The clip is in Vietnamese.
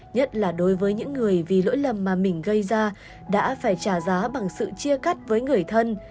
nhất là đối với những người vì lỗi lầm mà mình gây ra đã phải trả giá bằng sự chia cắt với người thân